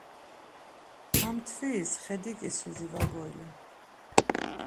Ha mtfiris xedikisuzi var goylen.